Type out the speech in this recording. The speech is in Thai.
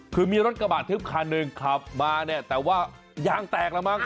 คือมีรถกระบาดทึบคันหนึ่งขับมาเนี่ยแต่ว่ายางแตกแล้วมั้ง